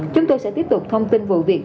chúng tôi sẽ tiếp tục thông tin vụ việc